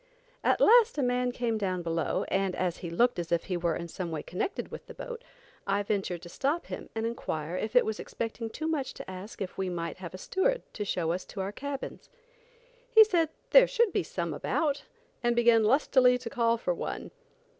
At last a man came down below, and as he looked as if he was in some way connected with the boat, I ventured to stop him and inquire if it was expecting too much to ask if we might have a steward to show us to our cabins. He said there should be some about, and began lustily to call for one.